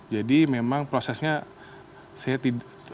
jadi memang prosesnya saya tidak